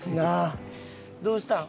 どうしたん？